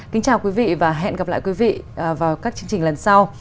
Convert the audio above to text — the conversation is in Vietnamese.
kính chào quý vị và hẹn gặp lại quý vị vào các chương trình lần sau